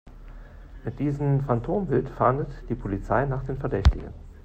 Mit diesem Phantombild fahndet die Polizei nach dem Verdächtigen.